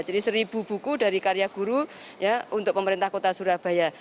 jadi seribu buku dari karya guru untuk pemerintah kota surabaya